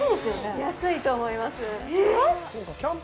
安いと思います。